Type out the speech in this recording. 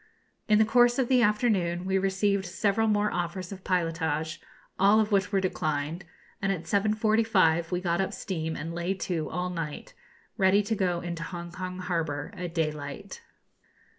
In the course of the afternoon we received several more offers of pilotage, all of which were declined; and at 7.45 we got up steam and lay to all night, ready to go into Hongkong harbour at daylight.